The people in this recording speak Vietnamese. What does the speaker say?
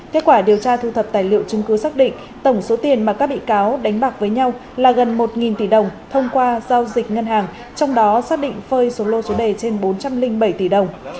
kết quả điều tra thu thập tài liệu chứng cứ xác định tổng số tiền mà các bị cáo đánh bạc với nhau là gần một tỷ đồng thông qua giao dịch ngân hàng trong đó xác định phơi số lô số đề trên bốn trăm linh bảy tỷ đồng